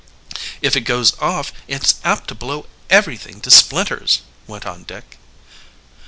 "If it goes off it's apt to blow everything to splinters," went on Dick.